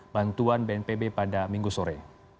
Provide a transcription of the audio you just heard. bantuan bnpb pada minggu sore